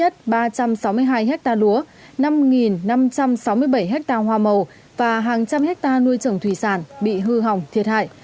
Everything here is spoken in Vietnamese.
ba trăm sáu mươi hai hectare lúa năm năm trăm sáu mươi bảy ha hoa màu và hàng trăm hectare nuôi trồng thủy sản bị hư hỏng thiệt hại